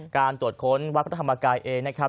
การตรวจค้นวัดพระธรรมกายเองนะครับ